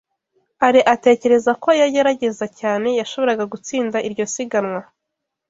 Alain atekereza ko iyo agerageza cyane, yashoboraga gutsinda iryo siganwa.